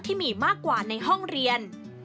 ที่มีมากกว่าในห้องเรียน